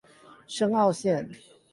深澳線